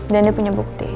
dan dia punya bukti